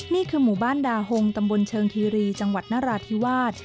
นี่คือหมู่บ้านดาหงตำบลเชิงคีรีจังหวัดนราธิวาส